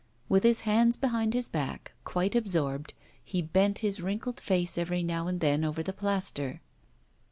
With his hands behind his back, quite absorbed, he bent his wrinkled face every now and then over the plaster.